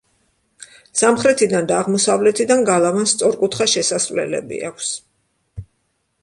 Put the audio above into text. სამხრეთიდან და აღმოსავლეთიდან გალავანს სწორკუთხა შესასვლელები აქვს.